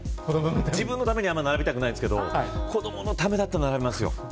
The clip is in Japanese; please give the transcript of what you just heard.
自分のためには、あまり並びたくないんですけど子どものためだったら並びますよ。